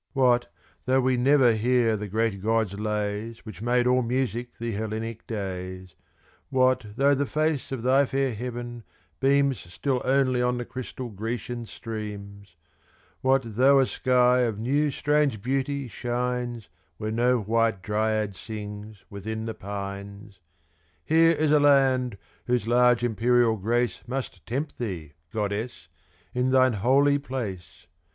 What though we never hear the great god's lays Which made all music the Hellenic days What though the face of thy fair heaven beams Still only on the crystal Grecian streams What though a sky of new, strange beauty shines Where no white Dryad sings within the pines: Here is a land whose large, imperial grace Must tempt thee, goddess, in thine holy place!